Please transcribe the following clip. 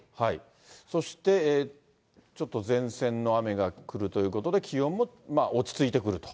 そして、ちょっと前線の雨が来るということで、気温も落ち着いてくると。